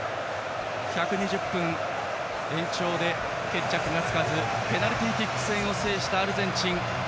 １２０分、延長で決着がつかずペナルティーキック戦を制したアルゼンチン。